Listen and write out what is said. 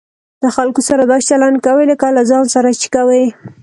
له خلکو سره داسي چلند کوئ؛ لکه له ځان سره چې کوى.